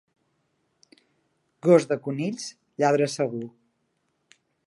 Gos de conills, lladre segur.